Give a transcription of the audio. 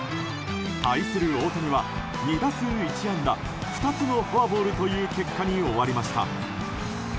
対する大谷は、２打数１安打２つのフォアボールという結果に終わりました。